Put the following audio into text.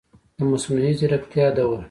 د مصنوعي ځیرکتیا دور